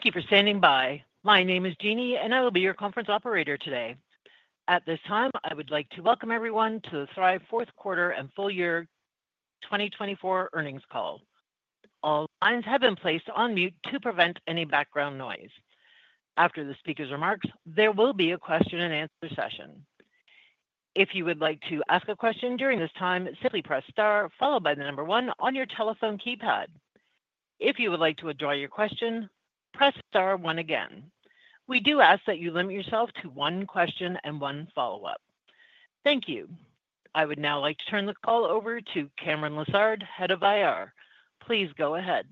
Thank you for standing by. My name is Jeannie, and I will be your conference operator today. At this time, I would like to welcome everyone to the Thryv Fourth Quarter and Full Year 2024 Earnings Call. All lines have been placed on mute to prevent any background noise. After the speaker's remarks, there will be a question-and-answer session. If you would like to ask a question during this time, simply press star, followed by the number one on your telephone keypad. If you would like to withdraw your question, press star one again. We do ask that you limit yourself to one question and one follow-up. Thank you. I would now like to turn the call over to Cameron Lessard, Head of IR. Please go ahead.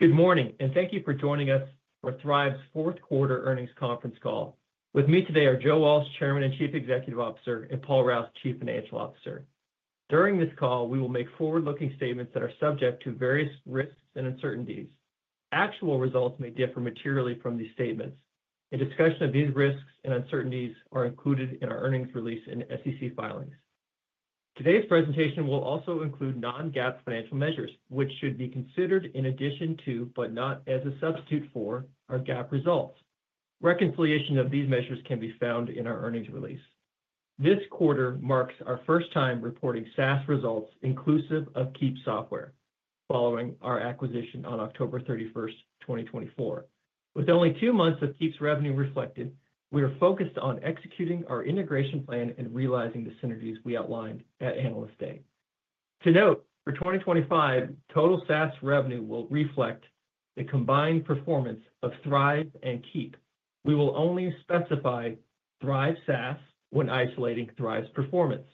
Good morning, and thank you for joining us for Thryv's fourth quarter earnings conference call. With me today are Joe Walsh, Chairman and Chief Executive Officer, and Paul Rouse, Chief Financial Officer. During this call, we will make forward-looking statements that are subject to various risks and uncertainties. Actual results may differ materially from these statements. A discussion of these risks and uncertainties is included in our earnings release and SEC filings. Today's presentation will also include non-GAAP financial measures, which should be considered in addition to, but not as a substitute for, our GAAP results. Reconciliation of these measures can be found in our earnings release. This quarter marks our first time reporting SaaS results inclusive of Keap software, following our acquisition on October 31st, 2024. With only two months of Keap's revenue reflected, we are focused on executing our integration plan and realizing the synergies we outlined at Analyst Day. To note, for 2025, total SaaS revenue will reflect the combined performance of Thryv and Keap. We will only specify Thryv SaaS when isolating Thryv's performance.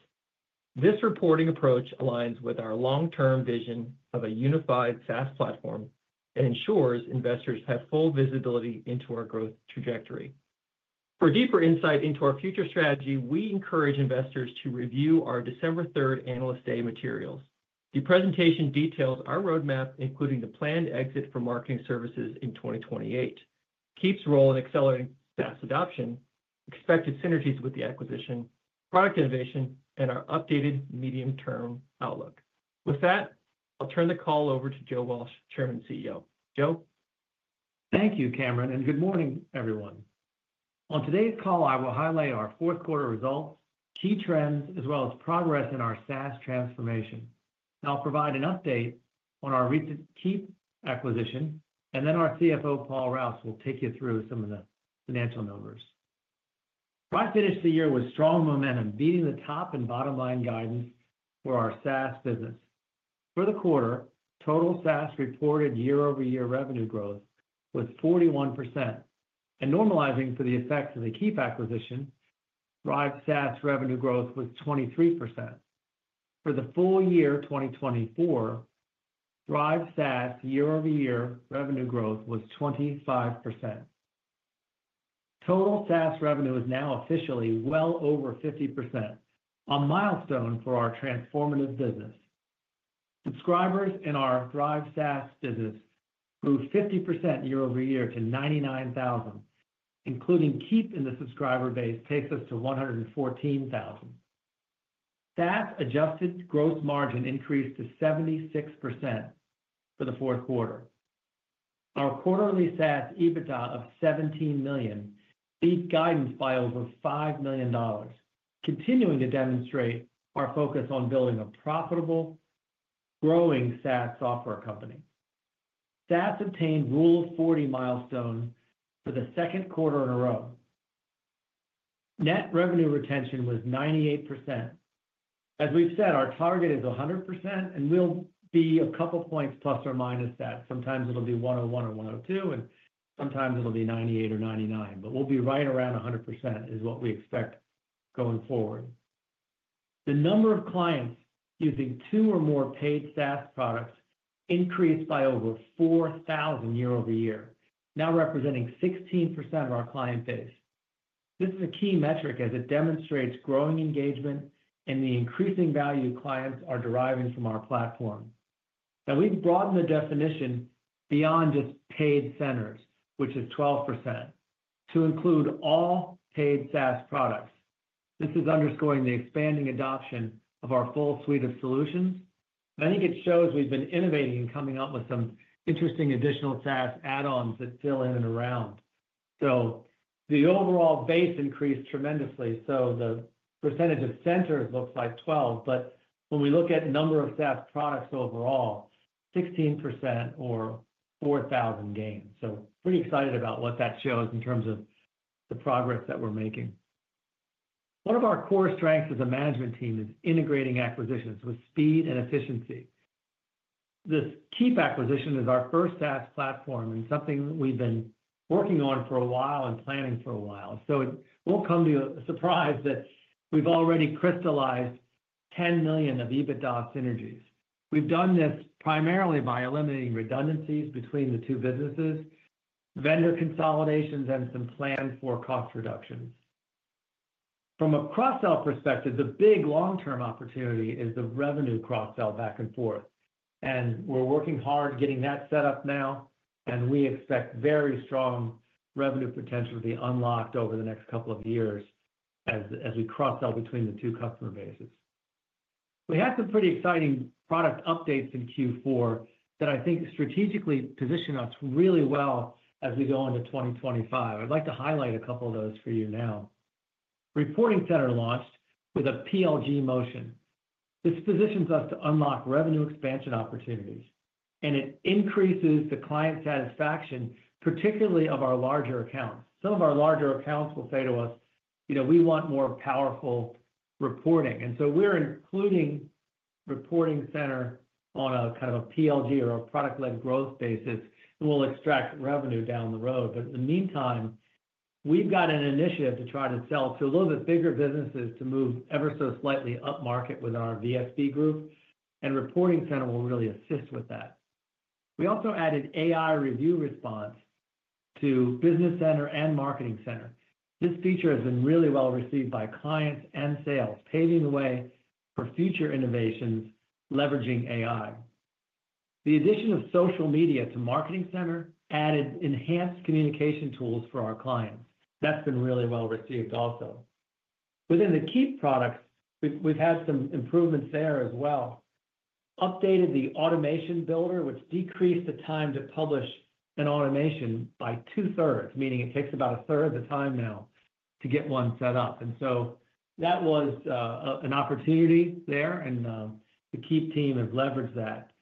This reporting approach aligns with our long-term vision of a unified SaaS platform and ensures investors have full visibility into our growth trajectory. For deeper insight into our future strategy, we encourage investors to review our December 3rd Analyst Day materials. The presentation details our roadmap, including the planned exit for marketing services in 2028, Keap's role in accelerating SaaS adoption, expected synergies with the acquisition, product innovation, and our updated medium-term outlook. With that, I'll turn the call over to Joe Walsh, Chairman and CEO. Joe. Thank you, Cameron, and good morning, everyone. On today's call, I will highlight our fourth quarter results, key trends, as well as progress in our SaaS transformation. I'll provide an update on our recent Keap acquisition, and then our CFO, Paul Rouse, will take you through some of the financial numbers. Thryv finished the year with strong momentum, beating the top and bottom line guidance for our SaaS business. For the quarter, total SaaS reported year-over-year revenue growth was 41%, and normalizing for the effects of the Keap acquisition, Thryv SaaS revenue growth was 23%. For the full year 2024, Thryv SaaS year-over-year revenue growth was 25%. Total SaaS revenue is now officially well over 50%, a milestone for our transformative business. Subscribers in our Thryv SaaS business grew 50% year-over-year to 99,000, including Keap in the subscriber base, takes us to 114,000. SaaS adjusted gross margin increased to 76% for the fourth quarter. Our quarterly SaaS EBITDA of $17 million beat guidance by over $5 million, continuing to demonstrate our focus on building a profitable, growing SaaS software company. SaaS obtained Rule of 40 milestone for the second quarter in a row. Net revenue retention was 98%. As we've said, our target is 100%, and we'll be a couple points plus or minus that. Sometimes it'll be 101% or 102%, and sometimes it'll be 98% or 99%, but we'll be right around 100% is what we expect going forward. The number of clients using two or more paid SaaS products increased by over 4,000 year-over-year, now representing 16% of our client base. This is a key metric as it demonstrates growing engagement and the increasing value clients are deriving from our platform. Now, we've broadened the definition beyond just paid centers, which is 12%, to include all paid SaaS products. This is underscoring the expanding adoption of our full suite of solutions, and I think it shows we've been innovating and coming up with some interesting additional SaaS add-ons that fill in and around, so the overall base increased tremendously, so the percentage of centers looks like 12%, but when we look at the number of SaaS products overall, 16% or 4,000 gains, so pretty excited about what that shows in terms of the progress that we're making. One of our core strengths as a management team is integrating acquisitions with speed and efficiency. This Keap acquisition is our first SaaS platform and something we've been working on for a while and planning for a while. It won't come to you as a surprise that we've already crystallized $10 million of EBITDA synergies. We've done this primarily by eliminating redundancies between the two businesses, vendor consolidations, and some planned for cost reductions. From a cross-sell perspective, the big long-term opportunity is the revenue cross-sell back and forth. We're working hard getting that set up now, and we expect very strong revenue potential to be unlocked over the next couple of years as we cross-sell between the two customer bases. We had some pretty exciting product updates in Q4 that I think strategically position us really well as we go into 2025. I'd like to highlight a couple of those for you now. Reporting Center launched with a PLG motion. This positions us to unlock revenue expansion opportunities, and it increases the client satisfaction, particularly of our larger accounts. Some of our larger accounts will say to us, "We want more powerful reporting." And so we're including Reporting Center on a kind of a PLG or a product-led growth basis, and we'll extract revenue down the road. But in the meantime, we've got an initiative to try to sell to a little bit bigger businesses to move ever so slightly up market with our VSB group, and Reporting Center will really assist with that. We also added AI review response to Business Center and Marketing Center. This feature has been really well received by clients and sales, paving the way for future innovations leveraging AI. The addition of social media to Marketing Center added enhanced communication tools for our clients. That's been really well received also. Within the Keap products, we've had some improvements there as well. Updated the automation builder, which decreased the time to publish an automation by 2/3, meaning it takes about 1/3 of the time now to get one set up, and so that was an opportunity there, and the Keap team has leveraged that.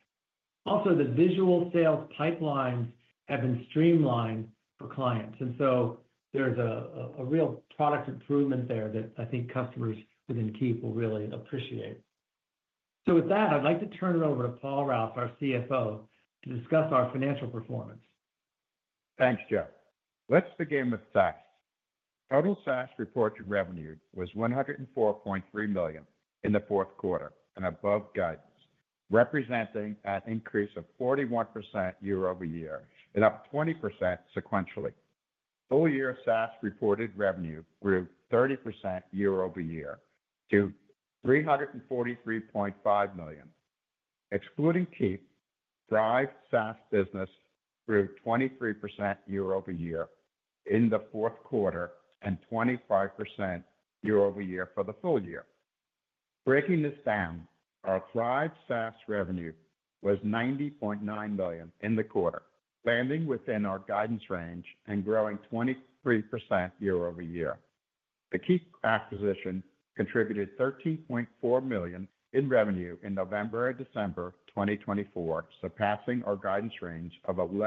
Also, the visual sales pipelines have been streamlined for clients, and so there's a real product improvement there that I think customers within Keap will really appreciate, so with that, I'd like to turn it over to Paul Rouse, our CFO, to discuss our financial performance. Thanks, Joe. Let's begin with SaaS. Total SaaS reported revenue was $104.3 million in the fourth quarter and above guidance, representing an increase of 41% year-over-year and up 20% sequentially. Full-year SaaS reported revenue grew 30% year-over-year to $343.5 million. Excluding Keap, Thryv SaaS business grew 23% year-over-year in the fourth quarter and 25% year-over-year for the full year. Breaking this down, our Thryv SaaS revenue was $90.9 million in the quarter, landing within our guidance range and growing 23% year-over-year. The Keap acquisition contributed $13.4 million in revenue in November and December 2024, surpassing our guidance range of $11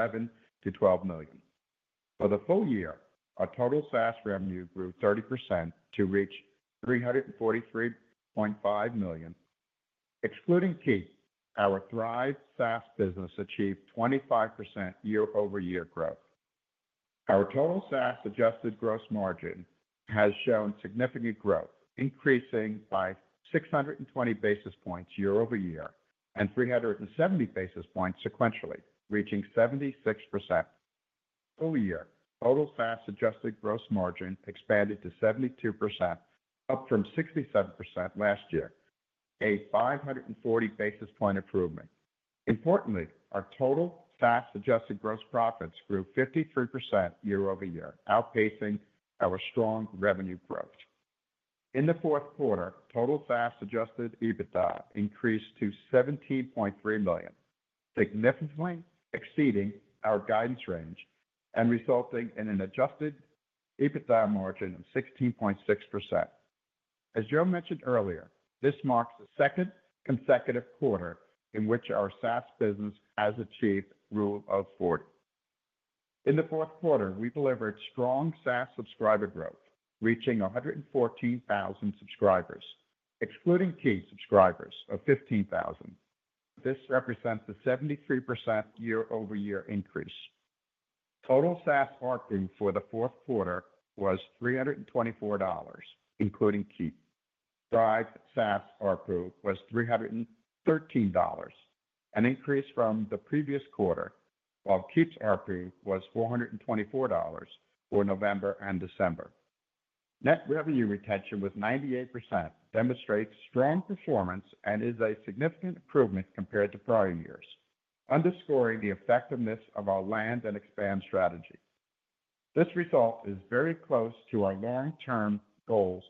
million-$12 million. For the full year, our total SaaS revenue grew 30% to reach $343.5 million. Excluding Keap, our Thryv SaaS business achieved 25% year-over-year growth. Our total SaaS adjusted gross margin has shown significant growth, increasing by 620 basis points year-over-year and 370 basis points sequentially, reaching 76%. Full year, total SaaS adjusted gross margin expanded to 72%, up from 67% last year, a 540 basis point improvement. Importantly, our total SaaS adjusted gross profits grew 53% year-over-year, outpacing our strong revenue growth. In the fourth quarter, total SaaS adjusted EBITDA increased to $17.3 million, significantly exceeding our guidance range and resulting in an adjusted EBITDA margin of 16.6%. As Joe mentioned earlier, this marks the second consecutive quarter in which our SaaS business has achieved Rule of 40. In the fourth quarter, we delivered strong SaaS subscriber growth, reaching 114,000 subscribers, excluding Keap subscribers of 15,000. This represents a 73% year-over-year increase. Total SaaS ARPU for the fourth quarter was $324, including Keap. Thryv SaaS ARPU was $313, an increase from the previous quarter, while Keap's ARPU was $424 for November and December. Net revenue retention was 98%, demonstrates strong performance and is a significant improvement compared to prior years, underscoring the effectiveness of our land and expand strategy. This result is very close to our long-term goals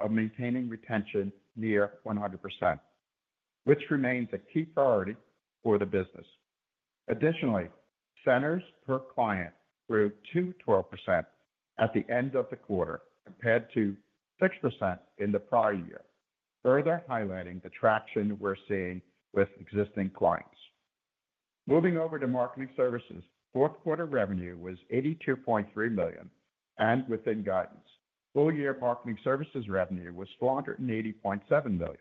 of maintaining retention near 100%, which remains a key priority for the business. Additionally, centers per client grew 212% at the end of the quarter compared to 6% in the prior year, further highlighting the traction we're seeing with existing clients. Moving over to Marketing Services, fourth quarter revenue was $82.3 million and within guidance. Full-year Marketing Services revenue was $480.7 million.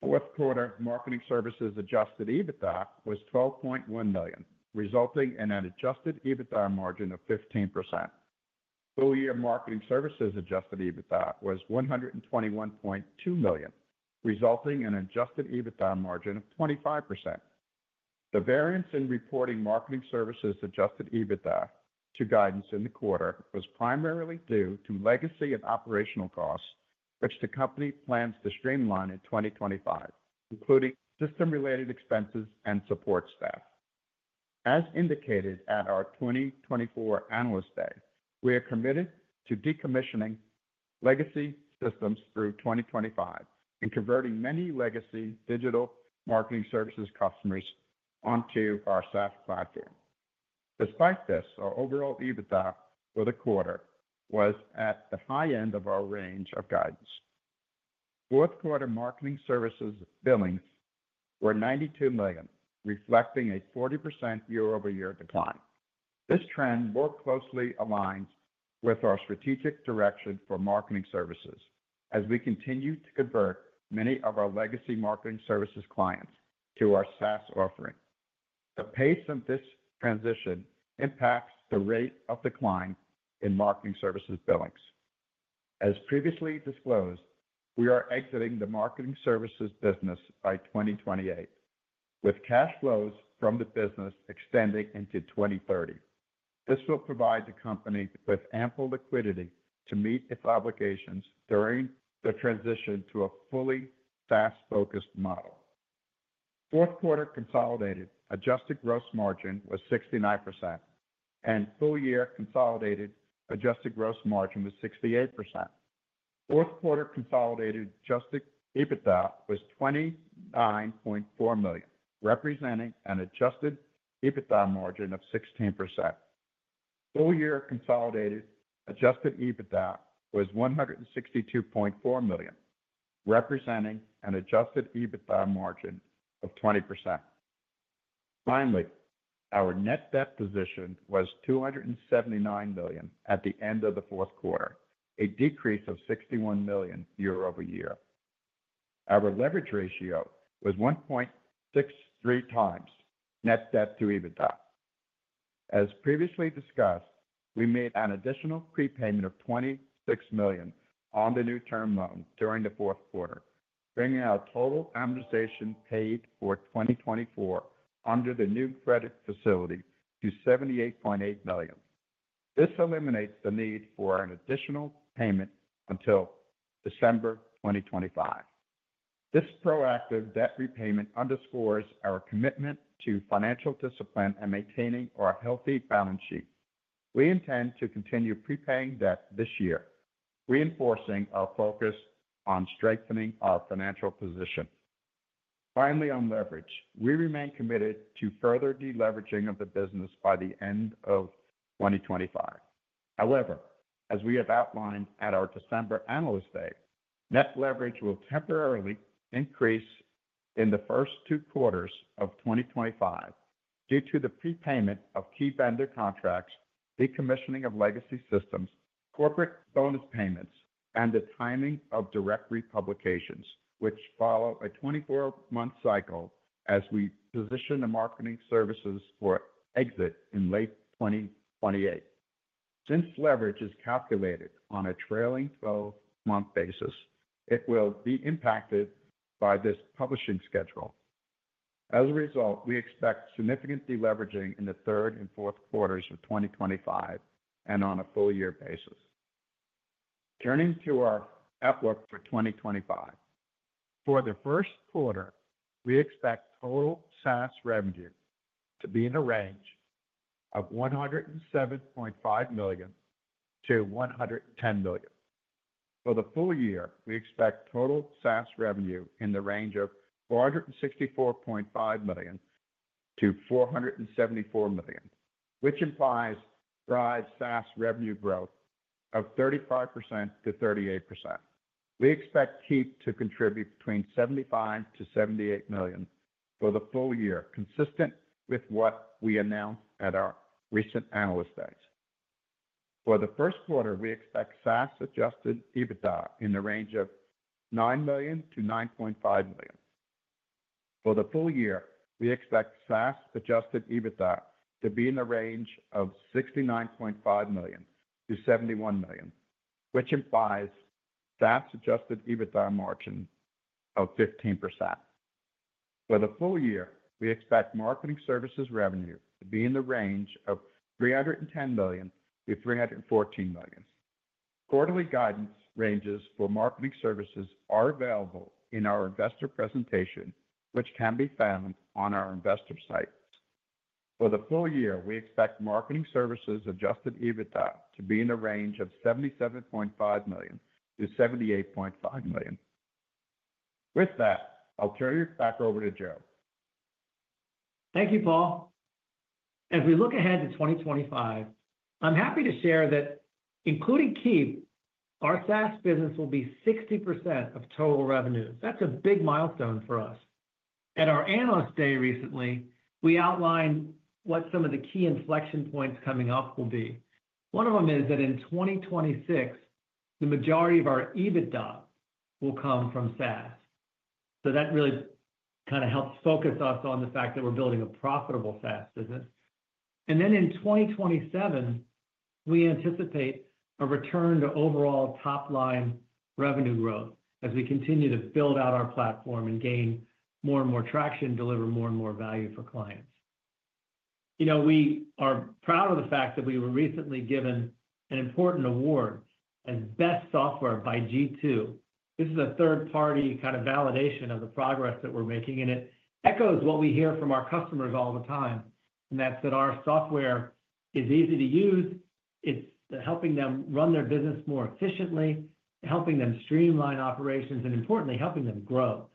Fourth quarter Marketing Services adjusted EBITDA was $12.1 million, resulting in an adjusted EBITDA margin of 15%. Full-year Marketing Services adjusted EBITDA was $121.2 million, resulting in an adjusted EBITDA margin of 25%. The variance in reporting Marketing Services adjusted EBITDA to guidance in the quarter was primarily due to legacy and operational costs, which the company plans to streamline in 2025, including system-related expenses and support staff. As indicated at our 2024 Analyst Day, we are committed to decommissioning legacy systems through 2025 and converting many legacy digital Marketing Services customers onto our SaaS platform. Despite this, our overall EBITDA for the quarter was at the high end of our range of guidance. Fourth quarter Marketing Services billings were $92 million, reflecting a 40% year-over-year decline. This trend more closely aligns with our strategic direction for Marketing Services as we continue to convert many of our legacy Marketing Services clients to our SaaS offering. The pace of this transition impacts the rate of decline in Marketing Services billings. As previously disclosed, we are exiting the Marketing Services business by 2028, with cash flows from the business extending into 2030. This will provide the company with ample liquidity to meet its obligations during the transition to a fully SaaS-focused model. Fourth quarter consolidated adjusted gross margin was 69%, and full year consolidated adjusted gross margin was 68%. Fourth quarter consolidated adjusted EBITDA was $29.4 million, representing an adjusted EBITDA margin of 16%. Full year consolidated adjusted EBITDA was $162.4 million, representing an adjusted EBITDA margin of 20%. Finally, our net debt position was $279 million at the end of the fourth quarter, a decrease of $61 million year-over-year. Our leverage ratio was 1.63x net debt to EBITDA. As previously discussed, we made an additional prepayment of $26 million on the new term loan during the fourth quarter, bringing our total amortization paid for 2024 under the new credit facility to $78.8 million. This eliminates the need for an additional payment until December 2025. This proactive debt repayment underscores our commitment to financial discipline and maintaining our healthy balance sheet. We intend to continue prepaying debt this year, reinforcing our focus on strengthening our financial position. Finally, on leverage, we remain committed to further deleveraging of the business by the end of 2025. However, as we have outlined at our December Analyst Day, net leverage will temporarily increase in the first two quarters of 2025 due to the prepayment of key vendor contracts, decommissioning of legacy systems, corporate bonus payments, and the timing of direct publications, which follow a 24-month cycle as we position the Marketing Services for exit in late 2028. Since leverage is calculated on a trailing 12-month basis, it will be impacted by this publishing schedule. As a result, we expect significant deleveraging in the third and fourth quarters of 2025 and on a full-year basis. Turning to our outlook for 2025, for the first quarter, we expect total SaaS revenue to be in the range of $107.5 million-$110 million. For the full year, we expect total SaaS revenue in the range of $464.5 million-$474 million, which implies Thryv SaaS revenue growth of 35% to 38%. We expect Keap to contribute between $75-$78 million for the full year, consistent with what we announced at our recent Analyst Days. For the first quarter, we expect SaaS adjusted EBITDA in the range of $9 million-$9.5 million. For the full year, we expect SaaS adjusted EBITDA to be in the range of $69.5 million-$71 million, which implies SaaS adjusted EBITDA margin of 15%. For the full year, we expect Marketing Services revenue to be in the range of $310 million-$314 million. Quarterly guidance ranges for marketing services are available in our investor presentation, which can be found on our Investor Site. For the full year, we expect marketing services adjusted EBITDA to be in the range of $77.5 million-$78.5 million. With that, I'll turn it back over to Joe. Thank you, Paul. As we look ahead to 2025, I'm happy to share that, including Keap, our SaaS business will be 60% of total revenue. That's a big milestone for us. At our Analyst Day recently, we outlined what some of the key inflection points coming up will be. One of them is that in 2026, the majority of our EBITDA will come from SaaS, so that really kind of helps focus us on the fact that we're building a profitable SaaS business, and then in 2027, we anticipate a return to overall top-line revenue growth as we continue to build out our platform and gain more and more traction, deliver more and more value for clients. You know, we are proud of the fact that we were recently given an important award as Best Software by G2. This is a third-party kind of validation of the progress that we're making, and it echoes what we hear from our customers all the time, and that's that our software is easy to use. It's helping them run their business more efficiently, helping them streamline operations, and importantly, helping them grow,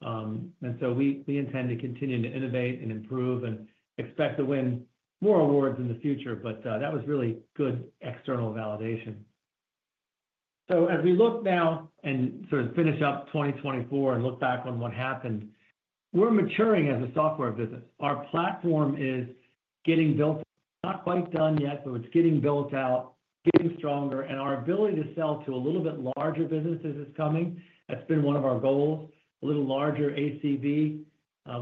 and so we intend to continue to innovate and improve and expect to win more awards in the future, but that was really good external validation, so as we look now and sort of finish up 2024 and look back on what happened, we're maturing as a software business. Our platform is getting built, not quite done yet, but it's getting built out, getting stronger, and our ability to sell to a little bit larger businesses is coming. That's been one of our goals, a little larger ACV.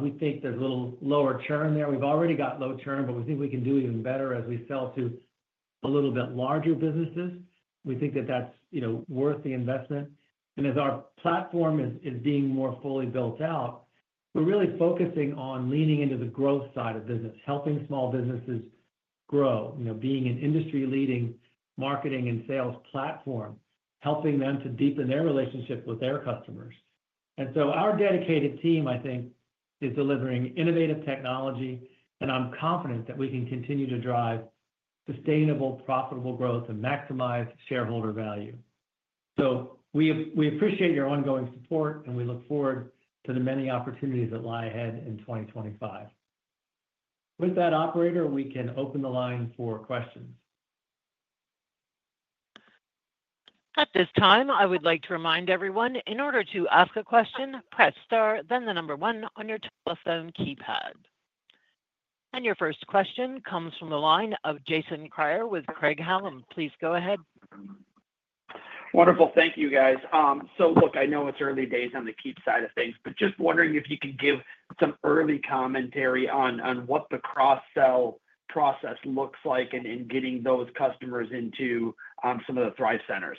We think there's a little lower churn there. We've already got low churn, but we think we can do even better as we sell to a little bit larger businesses. We think that that's, you know, worth the investment. And as our platform is being more fully built out, we're really focusing on leaning into the growth side of business, helping small businesses grow, you know, being an industry-leading marketing and sales platform, helping them to deepen their relationship with their customers. And so our dedicated team, I think, is delivering innovative technology, and I'm confident that we can continue to drive sustainable, profitable growth and maximize shareholder value. So we appreciate your ongoing support, and we look forward to the many opportunities that lie ahead in 2025. With that, operator, we can open the line for questions. At this time, I would like to remind everyone, in order to ask a question, press star, then the number one on your telephone keypad. And your first question comes from the line of Jason Kreyer with Craig-Hallum. Please go ahead. Wonderful. Thank you, guys. So look, I know it's early days on the Keap side of things, but just wondering if you can give some early commentary on what the cross-sell process looks like in getting those customers into some of the Thryv Centers?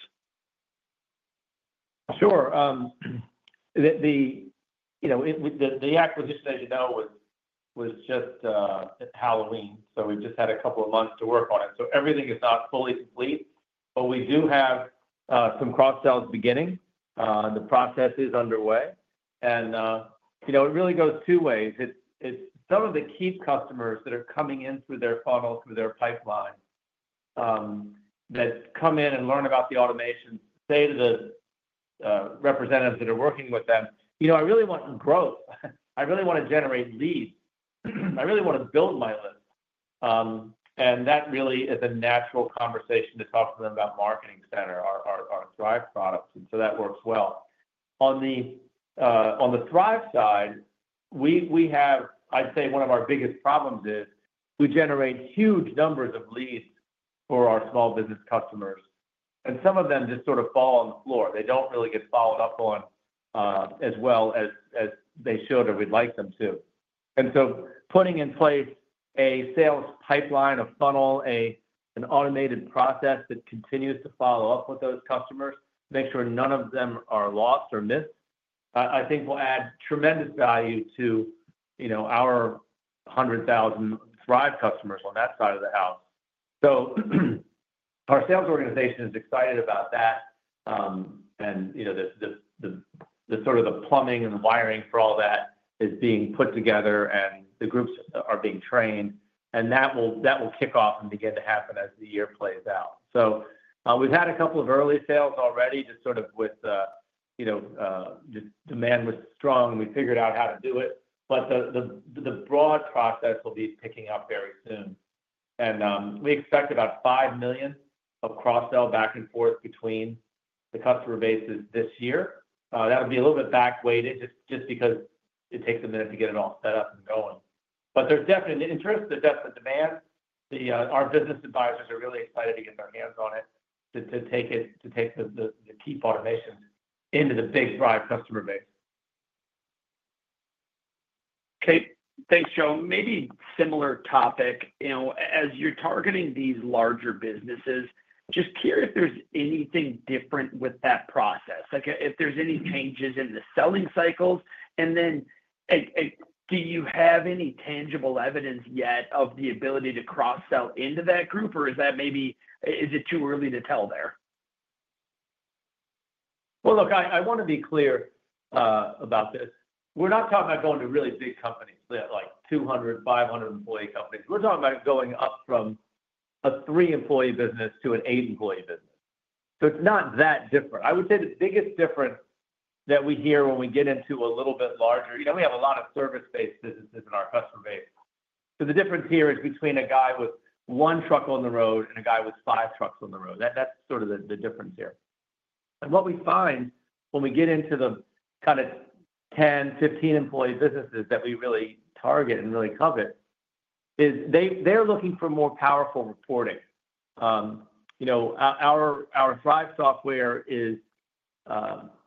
Sure. The acquisition, as you know, was just at Halloween, so we've just had a couple of months to work on it. So everything is not fully complete, but we do have some cross-sells beginning. The process is underway. And, you know, it really goes two ways. It's some of the Keap customers that are coming in through their funnel, through their pipeline, that come in and learn about the automations, say to the representatives that are working with them, "You know, I really want growth. I really want to generate leads. I really want to build my list," and that really is a natural conversation to talk to them about Marketing Center, our Thryv products, and so that works well. On the Thryv side, we have. I'd say one of our biggest problems is we generate huge numbers of leads for our small business customers, and some of them just sort of fall on the floor. They don't really get followed up on as well as they should or we'd like them to. And so putting in place a sales pipeline, a funnel, an automated process that continues to follow up with those customers, make sure none of them are lost or missed, I think will add tremendous value to, you know, our 100,000 Thryv customers on that side of the house. So our sales organization is excited about that, and, you know, the sort of plumbing and the wiring for all that is being put together, and the groups are being trained, and that will kick off and begin to happen as the year plays out. We've had a couple of early sales already, just sort of with, you know, just demand was strong, and we figured out how to do it, but the broad process will be picking up very soon. And we expect about $5 million of cross-sell back and forth between the customer bases this year. That'll be a little bit back-weighted just because it takes a minute to get it all set up and going. But there's definitely an interest, there's definitely demand. Our business advisors are really excited to get their hands on it, to take the Keap automations into the big Thryv customer base. Okay. Thanks, Joe. Maybe similar topic. You know, as you're targeting these larger businesses, just curious if there's anything different with that process, like if there's any changes in the selling cycles, and then do you have any tangible evidence yet of the ability to cross-sell into that group, or is that maybe, is it too early to tell there? Look, I want to be clear about this. We're not talking about going to really big companies, like 200, 500 employee companies. We're talking about going up from a three-employee business to an eight-employee business. So it's not that different. I would say the biggest difference that we hear when we get into a little bit larger, you know, we have a lot of service-based businesses in our customer base. So the difference here is between a guy with one truck on the road and a guy with five trucks on the road. That's sort of the difference here. And what we find when we get into the kind of 10, 15-employee businesses that we really target and really covet is they're looking for more powerful reporting. You know, our Thryv software is,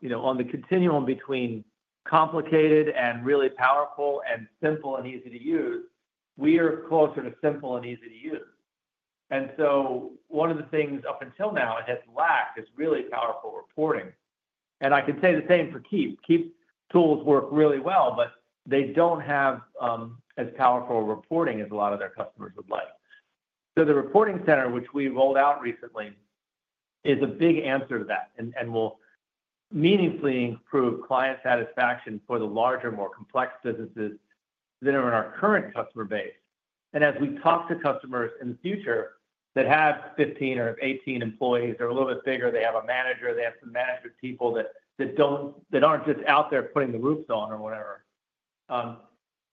you know, on the continuum between complicated and really powerful and simple and easy to use. We are closer to simple and easy to use. And so one of the things up until now it has lacked is really powerful reporting. And I can say the same for Keap. Keap's tools work really well, but they don't have as powerful reporting as a lot of their customers would like. So the Reporting Center, which we rolled out recently, is a big answer to that and will meaningfully improve client satisfaction for the larger, more complex businesses that are in our current customer base. As we talk to customers in the future that have 15 or 18 employees or a little bit bigger, they have a manager, they have some management people that aren't just out there putting the roofs on or whatever,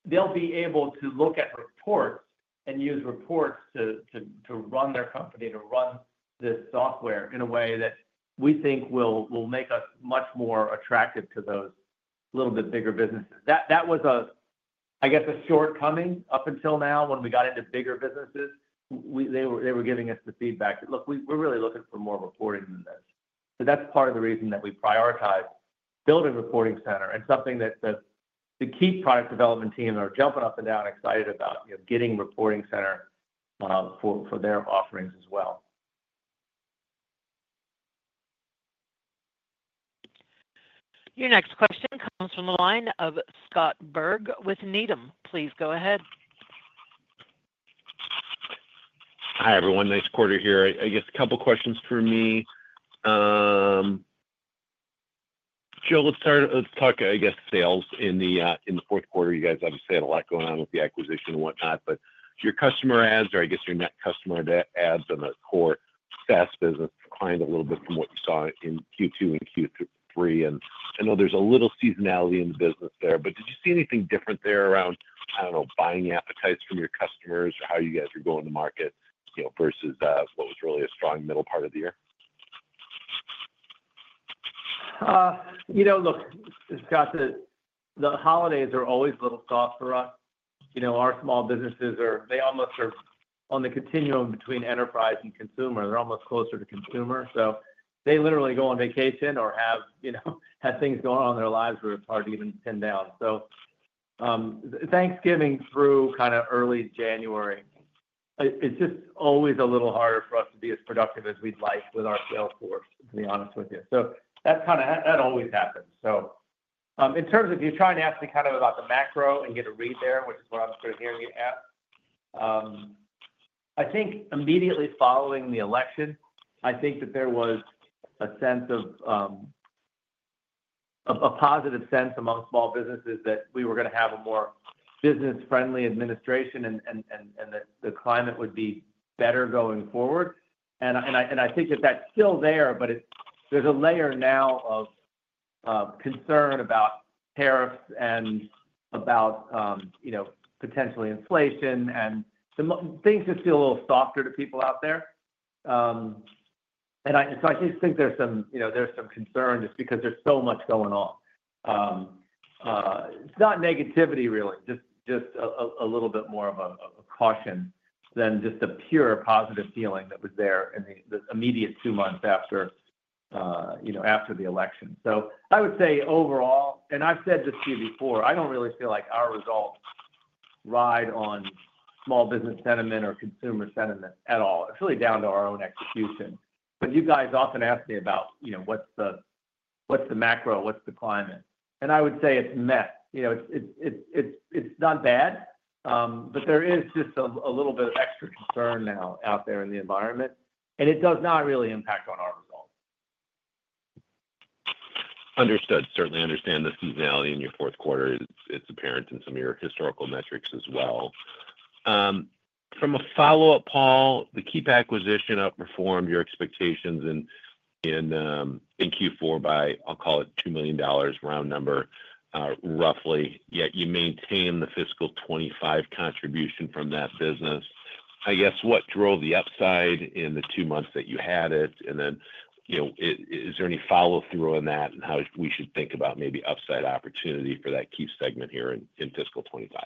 they'll be able to look at reports and use reports to run their company, to run this software in a way that we think will make us much more attractive to those a little bit bigger businesses. That was, I guess, a shortcoming up until now when we got into bigger businesses. They were giving us the feedback, "Look, we're really looking for more reporting than this." So that's part of the reason that we prioritized building a Reporting Center and something that the Keap product development team are jumping up and down excited about, you know, getting a Reporting Center for their offerings as well. Your next question comes from the line of Scott Berg with Needham. Please go ahead. Hi, everyone. Nice quarter here. I guess a couple of questions for me. Joe, let's start. Let's talk, I guess, sales in the fourth quarter. You guys obviously had a lot going on with the acquisition and whatnot, but your customer adds or I guess your net customer adds and the core SaaS business declined a little bit from what you saw in Q2 and Q3. I know there's a little seasonality in the business there, but did you see anything different there around, I don't know, buying appetites from your customers or how you guys are going to market, you know, versus what was really a strong middle part of the year? You know, look, Scott, the holidays are always a little soft for us. You know, our small businesses are, they almost are on the continuum between enterprise and consumer. They're almost closer to consumer. So they literally go on vacation or have, you know, have things going on in their lives where it's hard to even pin down. So Thanksgiving through kind of early January, it's just always a little harder for us to be as productive as we'd like with our sales force, to be honest with you. So that's kind of, that always happens. So, in terms of you're trying to ask me kind of about the macro and get a read there, which is what I'm sort of hearing you ask. I think immediately following the election, I think that there was a sense of a positive sense among small businesses that we were going to have a more business-friendly administration and that the climate would be better going forward. And I think that that's still there, but there's a layer now of concern about tariffs and about, you know, potentially inflation and things just feel a little softer to people out there. And so I just think there's some, you know, there's some concern just because there's so much going on. It's not negativity, really, just a little bit more of a caution than just a pure positive feeling that was there in the immediate two months after, you know, after the election. So I would say overall, and I've said this to you before, I don't really feel like our results ride on small business sentiment or consumer sentiment at all. It's really down to our own execution. But you guys often ask me about, you know, what's the macro, what's the climate. And I would say it's met. You know, it's not bad, but there is just a little bit of extra concern now out there in the environment, and it does not really impact on our results. Understood. Certainly understand the seasonality in your fourth quarter. It's apparent in some of your historical metrics as well. From a follow-up, Paul, the Keap acquisition outperformed your expectations in Q4 by, I'll call it $2 million round number, roughly, yet you maintain the fiscal 2025 contribution from that business. I guess what drove the upside in the two months that you had it? And then, you know, is there any follow-through on that and how we should think about maybe upside opportunity for that Keap segment here in fiscal 2025?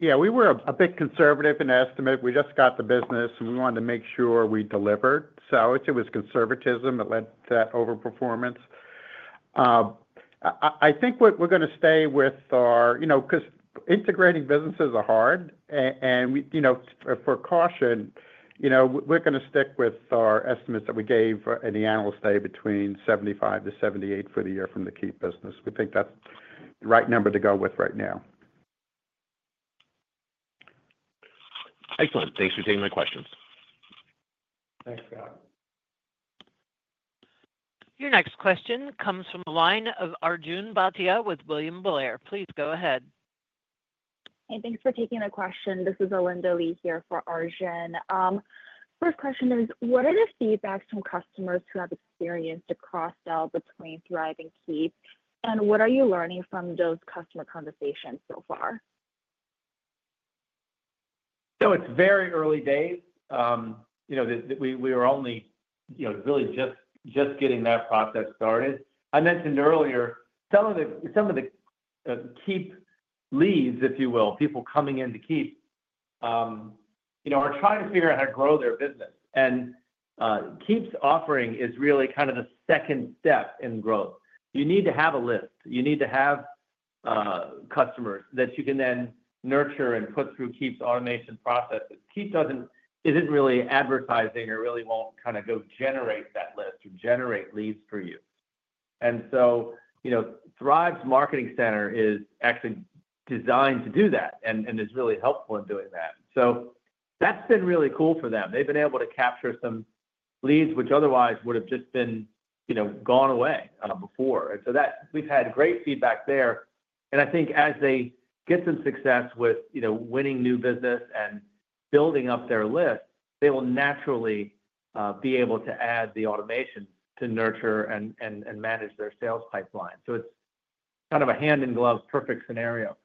Yeah, we were a bit conservative in estimate. We just got the business and we wanted to make sure we delivered. So I would say it was conservatism that led to that overperformance. I think we're going to stay with our, you know, because integrating businesses are hard and, you know, for caution, you know, we're going to stick with our estimates that we gave in the Analyst Day between 75-78 for the year from the Keap business. We think that's the right number to go with right now. Excellent. Thanks for taking my questions. Thanks, Scott. Your next question comes from the line of Arjun Bhatia with William Blair. Please go ahead. Hey, thanks for taking the question. This is Alinda Li here for Arjun. First question is, what are the feedbacks from customers who have experienced a cross-sell between Thryv and Keap, and what are you learning from those customer conversations so far? So it's very early days. You know, we were only, you know, really just getting that process started. I mentioned earlier, some of the Keap leads, if you will, people coming into Keap, you know, are trying to figure out how to grow their business. And Keap's offering is really kind of the second step in growth. You need to have a list. You need to have customers that you can then nurture and put through Keap's automation processes. Keap isn't really advertising or really won't kind of go generate that list or generate leads for you. And so, you know, Thryv's Marketing Center is actually designed to do that and is really helpful in doing that. So that's been really cool for them. They've been able to capture some leads, which otherwise would have just been, you know, gone away before. And so that we've had great feedback there. I think as they get some success with, you know, winning new business and building up their list, they will naturally be able to add the automations to nurture and manage their sales pipeline, so it's kind of a hand-in-glove perfect scenario.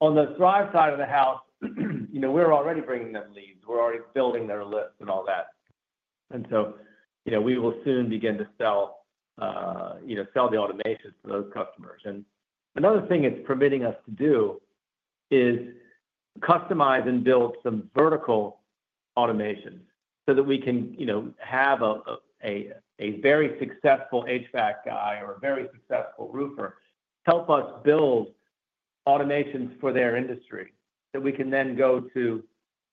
On the Thryv side of the house, you know, we're already bringing them leads. We're already building their lists and all that, and so, you know, we will soon begin to sell, you know, sell the automations to those customers. And another thing it's permitting us to do is customize and build some vertical automations so that we can, you know, have a very successful HVAC guy or a very successful roofer help us build automations for their industry that we can then go to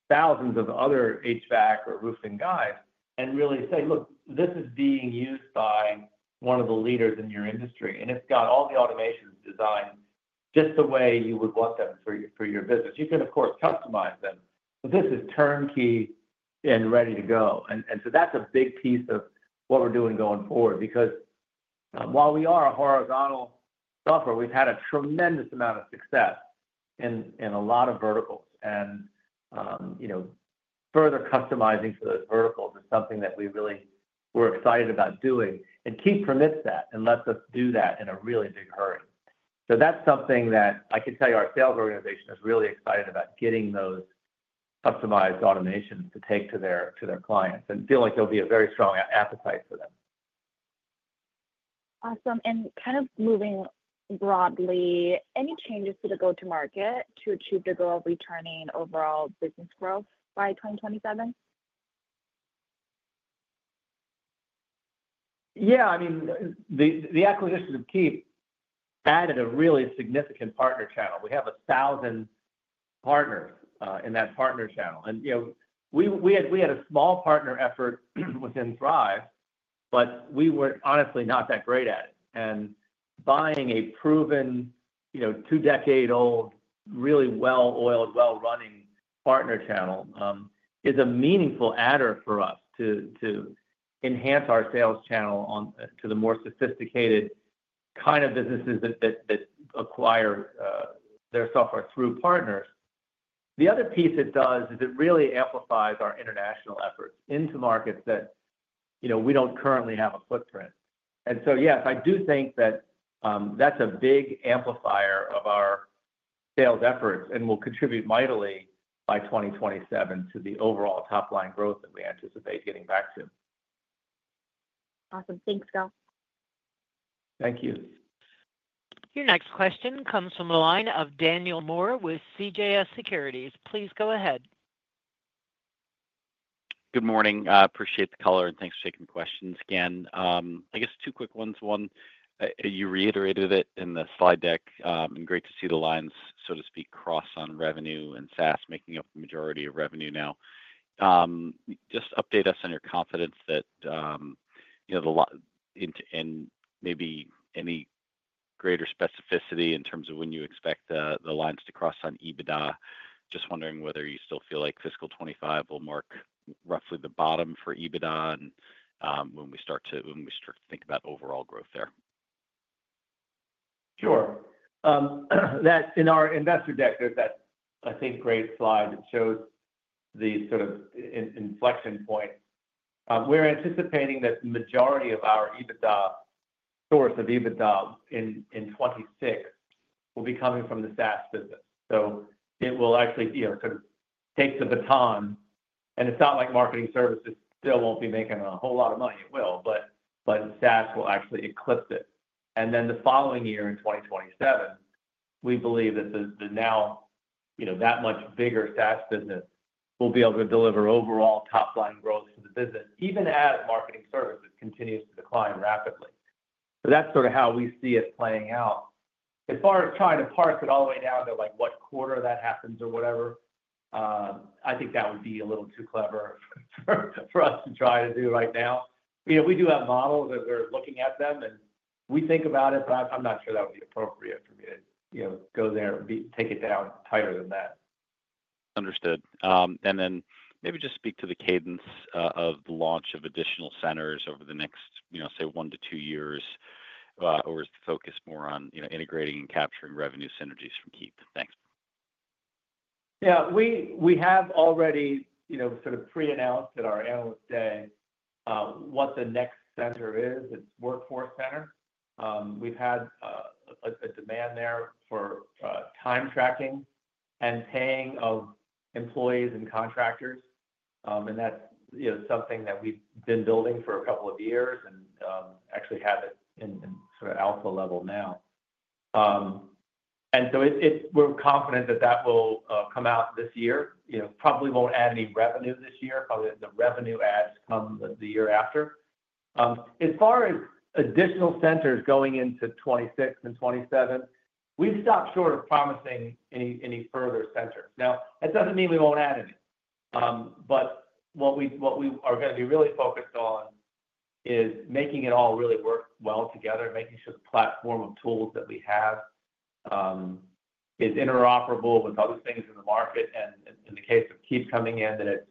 thousands of other HVAC or roofing guys and really say, "Look, this is being used by one of the leaders in your industry," and it's got all the automations designed just the way you would want them for your business. You can, of course, customize them, but this is turnkey and ready to go. And so that's a big piece of what we're doing going forward because while we are a horizontal software, we've had a tremendous amount of success in a lot of verticals. And, you know, further customizing for those verticals is something that we really were excited about doing. And Keap permits that and lets us do that in a really big hurry. So that's something that I can tell you our sales organization is really excited about getting those customized automations to take to their clients and feel like there'll be a very strong appetite for them. Awesome. And kind of moving broadly, any changes to the go-to-market to achieve the goal of returning overall business growth by 2027? Yeah. I mean, the acquisition of Keap added a really significant partner channel. We have 1,000 partners in that partner channel. And, you know, we had a small partner effort within Thryv, but we were honestly not that great at it. And buying a proven, you know, two-decade-old, really well-oiled, well-running partner channel is a meaningful add-on for us to enhance our sales channel to the more sophisticated kind of businesses that acquire their software through partners. The other piece it does is it really amplifies our international efforts into markets that, you know, we don't currently have a footprint. And so, yes, I do think that that's a big amplifier of our sales efforts and will contribute mightily by 2027 to the overall top-line growth that we anticipate getting back to. Awesome. Thanks, Joe. Thank you. Your next question comes from the line of Daniel Moore with CJS Securities. Please go ahead. Good morning. Appreciate the color and thanks for taking the questions again. I guess two quick ones. One, you reiterated it in the slide deck and great to see the lines, so to speak, cross on revenue and SaaS making up the majority of revenue now. Just update us on your confidence that, you know, and maybe any greater specificity in terms of when you expect the lines to cross on EBITDA. Just wondering whether you still feel like fiscal 2025 will mark roughly the bottom for EBITDA and when we start to think about overall growth there. Sure. That in our Investor Deck, there's that, I think, great slide that shows the sort of inflection point. We're anticipating that the majority of our EBITDA source of EBITDA in 2026 will be coming from the SaaS business. So it will actually, you know, sort of take the baton. And it's not like Marketing Services still won't be making a whole lot of money. It will, but SaaS will actually eclipse it. And then the following year in 2027, we believe that the now, you know, that much bigger SaaS business will be able to deliver overall top-line growth to the business, even as Marketing Services continues to decline rapidly. So that's sort of how we see it playing out. As far as trying to parse it all the way down to like what quarter that happens or whatever, I think that would be a little too clever for us to try to do right now. You know, we do have models that we're looking at them and we think about it, but I'm not sure that would be appropriate for me to, you know, go there and take it down tighter than that. Understood. And then maybe just speak to the cadence of the launch of additional centers over the next, you know, say, one to two years or focus more on, you know, integrating and capturing revenue synergies from Keap. Thanks. Yeah. We have already, you know, sort of pre-announced at our Analyst Day what the next center is. It's Workforce Center. We've had a demand there for time tracking and paying of employees and contractors. And that's, you know, something that we've been building for a couple of years and actually have it in sort of alpha level now. And so we're confident that that will come out this year. You know, probably won't add any revenue this year. Probably the revenue adds come the year after. As far as additional centers going into 2026 and 2027, we've stopped short of promising any further centers. Now, that doesn't mean we won't add any. But what we are going to be really focused on is making it all really work well together, making sure the platform of tools that we have is interoperable with other things in the market. And in the case of Keap coming in, that it's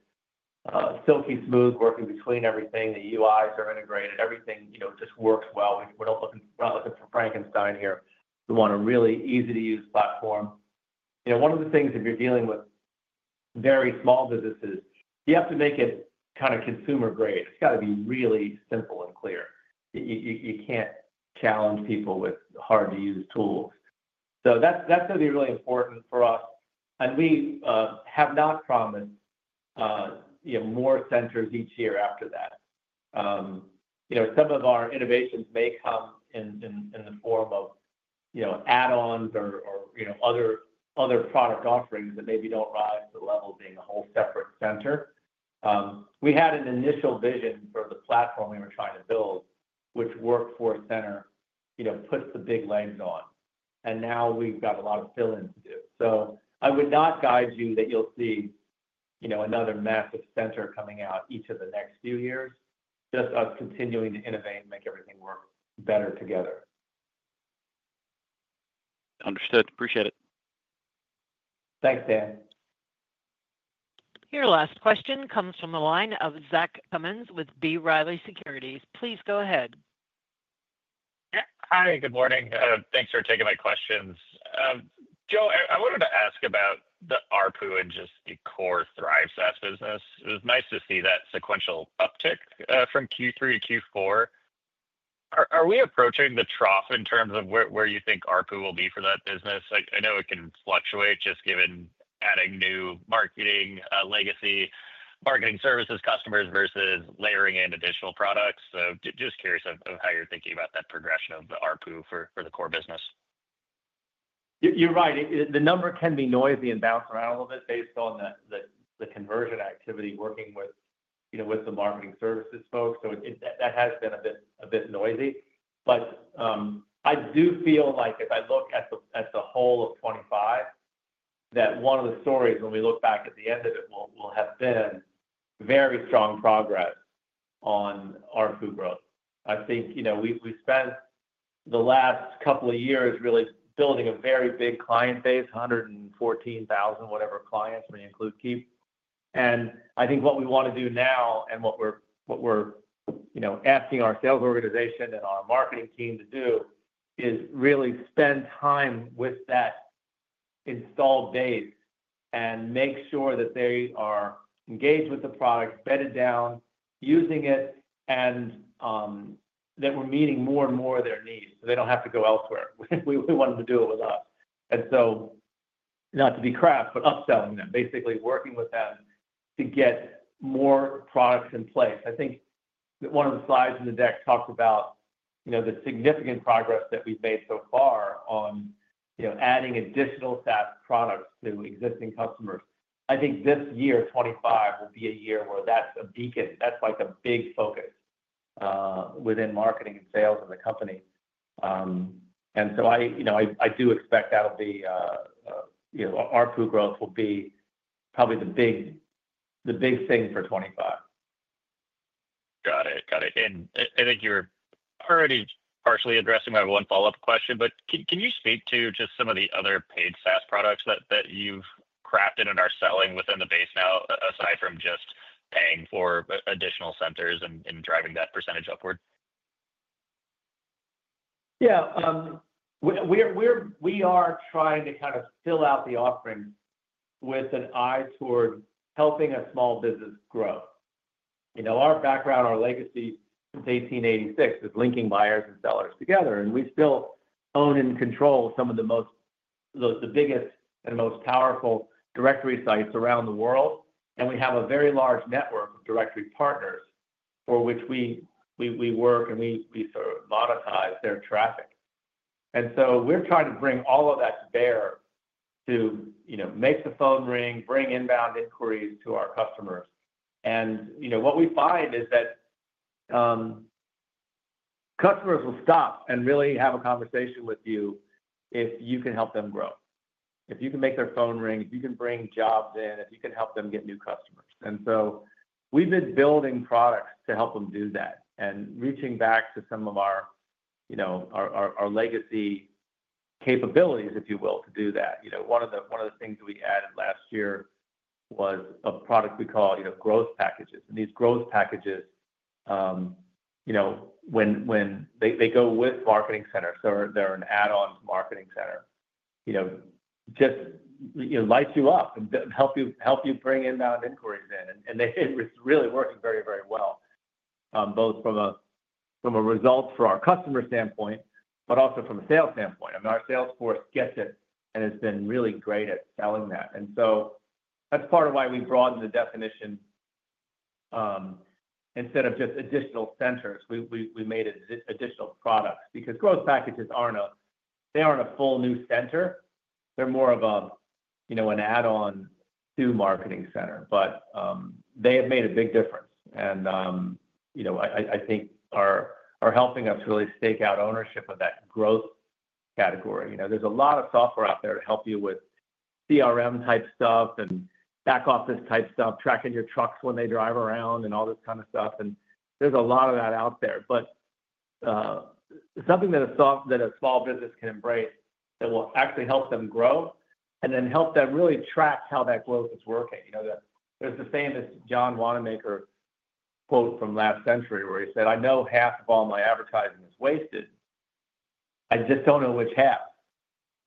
silky smooth working between everything. The UIs are integrated. Everything, you know, just works well. We're not looking for Frankenstein here. We want a really easy-to-use platform. You know, one of the things, if you're dealing with very small businesses, you have to make it kind of consumer grade. It's got to be really simple and clear. You can't challenge people with hard-to-use tools. So that's going to be really important for us. And we have not promised, you know, more centers each year after that. You know, some of our innovations may come in the form of, you know, add-ons or, you know, other product offerings that maybe don't rise to the level of being a whole separate center. We had an initial vision for the platform we were trying to build, which Workforce Center, you know, puts the big legs on, and now we've got a lot of fill-in to do, so I would not guide you that you'll see, you know, another massive center coming out each of the next few years, just us continuing to innovate and make everything work better together. Understood. Appreciate it. Thanks, Dan. Your last question comes from the line of Zach Cummins with B. Riley Securities. Please go ahead. Hi, good morning. Thanks for taking my questions. Joe, I wanted to ask about the ARPU and just the core Thryv SaaS business. It was nice to see that sequential uptick from Q3 to Q4. Are we approaching the trough in terms of where you think ARPU will be for that business? I know it can fluctuate just given adding new marketing legacy, marketing services customers versus layering in additional products. So just curious of how you're thinking about that progression of the ARPU for the core business. You're right. The number can be noisy and bounce around a little bit based on the conversion activity working with, you know, with the marketing services folks. So that has been a bit noisy. But I do feel like if I look at the whole of 2025, that one of the stories when we look back at the end of it will have been very strong progress on ARPU growth. I think, you know, we spent the last couple of years really building a very big client base, 114,000 whatever clients when you include Keap. I think what we want to do now and what we're, you know, asking our sales organization and our marketing team to do is really spend time with that installed base and make sure that they are engaged with the product, bedded down, using it, and that we're meeting more and more of their needs so they don't have to go elsewhere. We want them to do it with us. So not to be crap, but upselling them, basically working with them to get more products in place. I think one of the slides in the deck talks about, you know, the significant progress that we've made so far on, you know, adding additional SaaS products to existing customers. I think this year, 2025, will be a year where that's a beacon. That's like a big focus within marketing and sales of the company. And so I, you know, I do expect that'll be, you know, ARPU growth will be probably the big thing for 2025. Got it. Got it. I think you were already partially addressing my one follow-up question, but can you speak to just some of the other paid SaaS products that you've crafted and are selling within the base now aside from just paying for additional centers and driving that percentage upward? Yeah. We are trying to kind of fill out the offering with an eye toward helping a small business grow. You know, our background, our legacy since 1886 is linking buyers and sellers together. And we still own and control some of the most, the biggest and most powerful directory sites around the world. And we have a very large network of directory partners for which we work and we sort of monetize their traffic. And so we're trying to bring all of that to bear to, you know, make the phone ring, bring inbound inquiries to our customers. And, you know, what we find is that customers will stop and really have a conversation with you if you can help them grow. If you can make their phone ring, if you can bring jobs in, if you can help them get new customers. So we've been building products to help them do that and reaching back to some of our, you know, our legacy capabilities, if you will, to do that. You know, one of the things that we added last year was a product we call, you know, Growth Packages. And these Growth Packages, you know, when they go with Marketing Centers, so they're an add-on to Marketing Center, you know, just, you know, lights you up and help you bring inbound inquiries in. And they're really working very, very well, both from a result for our customer standpoint, but also from a sales standpoint. I mean, our sales force gets it and has been really great at selling that. And so that's part of why we broadened the definition instead of just additional centers. We made additional products because Growth Packages aren't a full new center. They're more of a, you know, an add-on to Marketing Center. But they have made a big difference. And, you know, I think are helping us really stake out ownership of that growth category. You know, there's a lot of software out there to help you with CRM-type stuff and back office-type stuff, tracking your trucks when they drive around and all this kind of stuff. And there's a lot of that out there. But something that a small business can embrace that will actually help them grow and then help them really track how that growth is working. You know, there's the famous John Wanamaker quote from last century where he said, "I know half of all my advertising is wasted. I just don't know which half."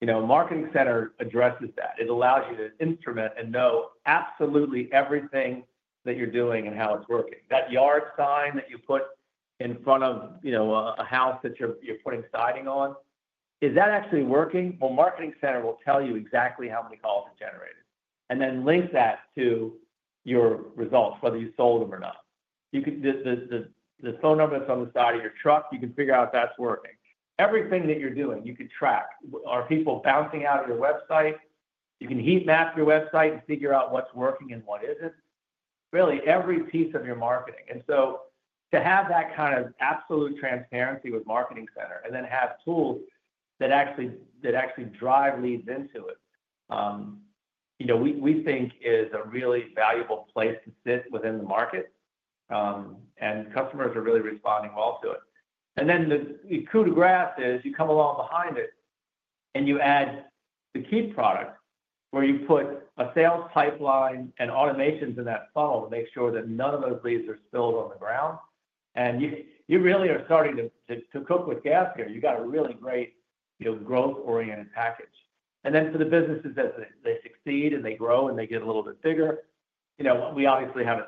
You know, Marketing Center addresses that. It allows you to instrument and know absolutely everything that you're doing and how it's working. That yard sign that you put in front of, you know, a house that you're putting siding on, is that actually working? Well, Marketing Center will tell you exactly how many calls it generated and then link that to your results, whether you sold them or not. The phone number that's on the side of your truck, you can figure out if that's working. Everything that you're doing, you can track. Are people bouncing out of your website? You can heat map your website and figure out what's working and what isn't. Really, every piece of your marketing, and so to have that kind of absolute transparency with Marketing Center and then have tools that actually drive leads into it, you know, we think is a really valuable place to sit within the market, and customers are really responding well to it. And then the coup de grâce is you come along behind it and you add the Keap product where you put a sales pipeline and automations in that funnel to make sure that none of those leads are spilled on the ground. You really are starting to cook with gas here. You've got a really great, you know, growth-oriented package. For the businesses as they succeed and they grow and they get a little bit bigger, you know, we obviously have a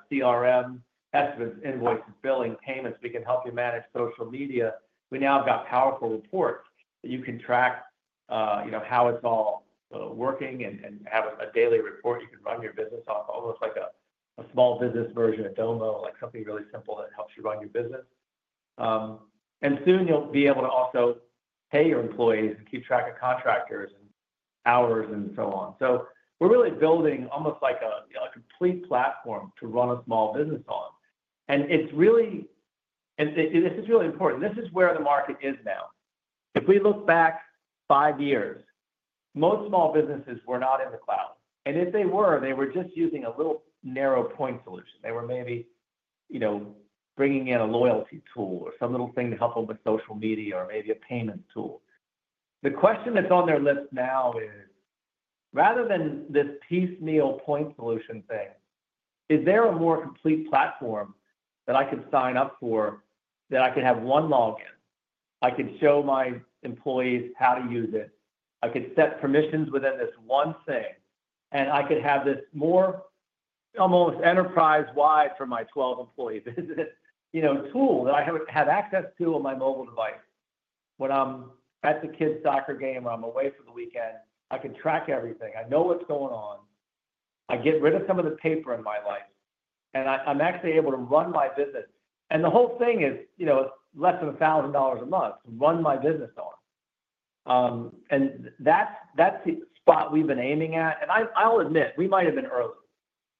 CRM, estimates, invoices, billing, payments. We can help you manage social media. We now have got powerful reports that you can track, you know, how it's all working and have a daily report. You can run your business off almost like a small business version, a Domo, like something really simple that helps you run your business. Soon you'll be able to also pay your employees and keep track of contractors and hours and so on. We're really building almost like a complete platform to run a small business on. It's really, this is really important. This is where the market is now. If we look back five years, most small businesses were not in the cloud. If they were, they were just using a little narrow point solution. They were maybe, you know, bringing in a loyalty tool or some little thing to help them with social media or maybe a payment tool. The question that's on their list now is, rather than this piecemeal point solution thing, is there a more complete platform that I could sign up for that I could have one log in? I could show my employees how to use it. I could set permissions within this one thing, and I could have this more almost enterprise-wide for my 12-employee business, you know, tool that I have access to on my mobile device when I'm at the kids' soccer game or I'm away for the weekend. I can track everything. I know what's going on. I get rid of some of the paper in my life, and I'm actually able to run my business, and the whole thing is, you know, less than $1,000 a month to run my business on, and that's the spot we've been aiming at, and I'll admit, we might have been early.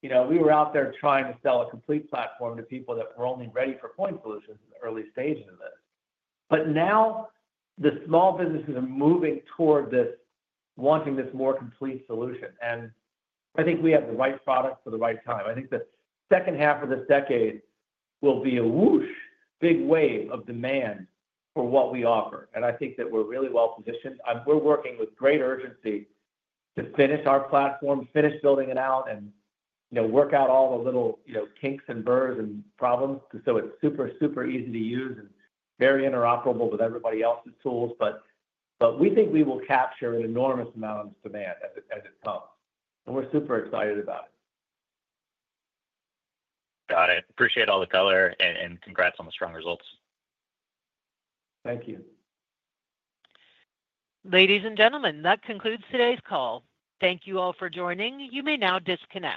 You know, we were out there trying to sell a complete platform to people that were only ready for point solutions in the early stages of this, but now the small businesses are moving toward this, wanting this more complete solution. I think we have the right product for the right time. I think the second half of this decade will be a whoosh, big wave of demand for what we offer. I think that we're really well positioned. We're working with great urgency to finish our platform, finish building it out and, you know, work out all the little, you know, kinks and burrs and problems so it's super, super easy to use and very interoperable with everybody else's tools. We think we will capture an enormous amount of demand as it comes. We're super excited about it. Got it. Appreciate all the color and congrats on the strong results. Thank you. Ladies and gentlemen, that concludes today's call. Thank you all for joining. You may now disconnect.